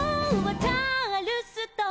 「チャールストン」